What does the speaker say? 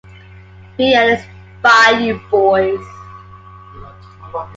B. and his Bayou Boys.